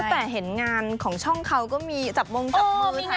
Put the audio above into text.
แต่เห็นงานของช่องเขาก็มีจับมงจับมือถ่าย